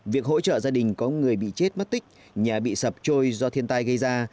việc hỗ trợ gia đình có người bị chết mất tích nhà bị sập trôi do thiên tai gây ra